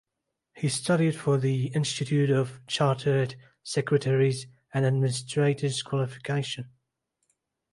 He studied for the Institute of Chartered Secretaries and Administrators qualification.